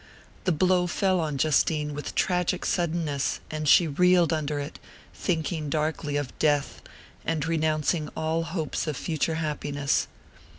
The blow fell on Justine with tragic suddenness, and she reeled under it, thinking darkly of death, and renouncing all hopes of future happiness.